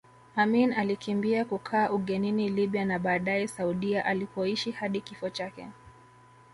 Amin alikimbia kukaa ugenini Libya na baadae Saudia alipoishi hadi kifo chake